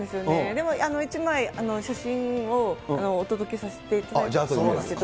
でも１枚写真をお届けさせていただいたんですけど。